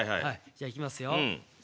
じゃいきますよ。